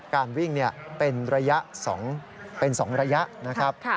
การวิ่งเป็น๒ระยะนะครับ